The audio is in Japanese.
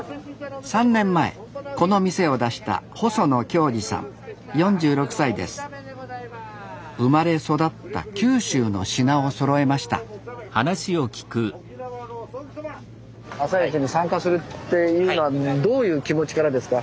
３年前この店を出した生まれ育った九州の品をそろえました朝市に参加するっていうのはどういう気持ちからですか？